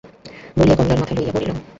–বলিয়া কমলার মাথা লইয়া পড়িল।